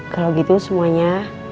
kalau gitu semuanya